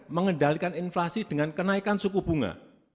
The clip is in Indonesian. mengendalikan inflasi dengan kenaikan suku bunga